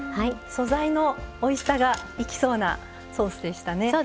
素材のおいしさが生きそうなソースでしたね。